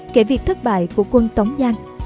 kể việc thất bại của quân tống giang